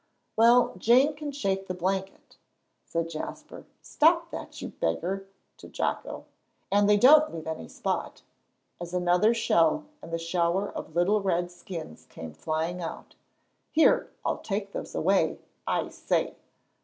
"Well, Jane can shake the blanket," said Jasper. "Stop that, you beggar!" to Jocko. "And they don't leave any spot," as another shell and the shower of little red skins came flying out. "Here, I'll take those away, I say."